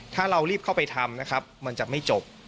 ถ้าเรารีบเข้าไปทำนะครับมันจะไม่จบ